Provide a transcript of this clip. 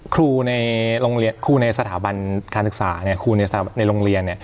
ครูในสถาบันการศึกษาครูในสถาบันในโรงเรียน